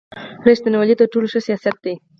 رېښتینوالي تر ټولو ښه سیاست دی.